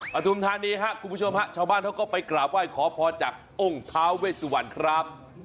ฐุมธานีครับคุณผู้ชมฮะชาวบ้านเขาก็ไปกราบไหว้ขอพรจากองค์ท้าเวสวรรณครับ